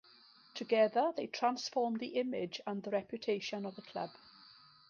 Together they transformed the image and the reputation of the club.